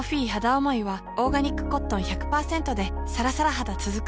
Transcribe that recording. おもいはオーガニックコットン １００％ でさらさら肌つづく